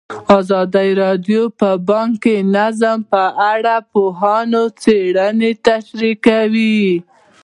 ازادي راډیو د بانکي نظام په اړه د پوهانو څېړنې تشریح کړې.